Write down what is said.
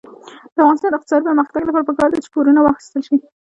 د افغانستان د اقتصادي پرمختګ لپاره پکار ده چې پورونه واخیستل شي.